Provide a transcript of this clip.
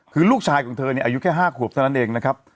คือลูกชายของเธอเนี่ยอายุแค่๕ขวบเท่านั้นเองนะครับ